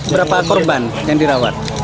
berapa korban yang dirawat